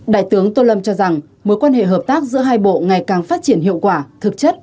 đại tướng tô lâm cho rằng mối quan hệ hợp tác giữa hai bộ ngày càng phát triển hiệu quả thực chất